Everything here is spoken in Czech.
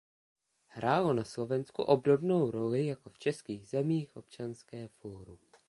Hrálo na Slovensku obdobnou roli jako v českých zemích Občanské fórum.